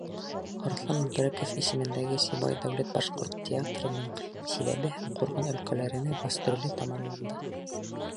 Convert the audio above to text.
Арыҫлан Мөбәрәков исемендәге Сибай дәүләт башҡорт театрының Силәбе һәм Ҡурған өлкәләренә гастроле тамамланды.